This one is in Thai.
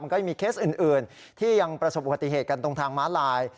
ก็ยังมีเคสอื่นที่ยังประสบอุบัติเหตุกันตรงทางม้าลาย